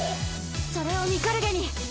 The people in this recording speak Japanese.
それをミカルゲに。